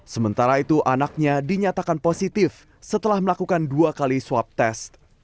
sementara itu anaknya dinyatakan positif setelah melakukan dua kali swab test